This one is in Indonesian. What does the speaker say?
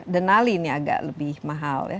denali ini agak lebih mahal ya